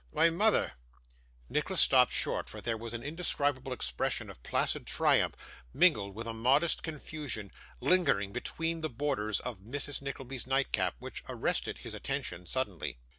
Why, mother ' Nicholas stopped short; for there was an indescribable expression of placid triumph, mingled with a modest confusion, lingering between the borders of Mrs. Nickleby's nightcap, which arrested his attention suddenly.